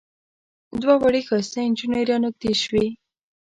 دوه وړې ښایسته نجونې را نږدې شوې.